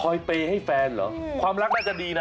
เปย์ให้แฟนเหรอความรักน่าจะดีนะ